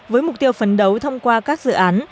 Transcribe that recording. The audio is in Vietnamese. với mục tiêu phấn đấu thông qua các dự án